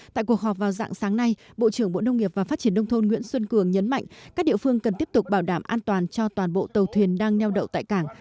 tại cuộc họp vào dạng sáng nay bộ trưởng bộ nông nghiệp và phát triển nông thôn nguyễn xuân cường nhấn mạnh các địa phương cần tiếp tục bảo đảm an toàn cho toàn bộ tàu thuyền đang neo đậu tại cảng